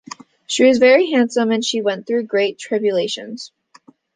She was very handsome and she went through great tribulations.